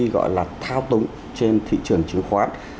gọi là thao túng trên thị trường chứng khoán